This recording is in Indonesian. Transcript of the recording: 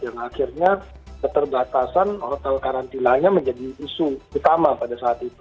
yang akhirnya keterbatasan hotel karantinanya menjadi isu utama pada saat itu